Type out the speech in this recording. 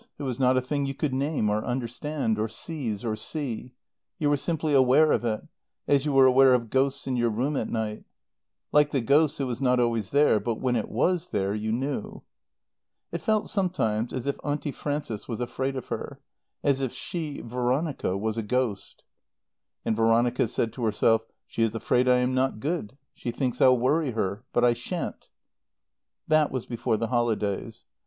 It was not a thing you could name or understand, or seize, or see; you were simply aware of it, as you were aware of ghosts in your room at night. Like the ghosts, it was not always there; but when it was there you knew. It felt sometimes as if Auntie Frances was afraid of her; as if she, Veronica, was a ghost. And Veronica said to herself, "She is afraid I am not good. She thinks I'll worry her. But I shan't." That was before the holidays.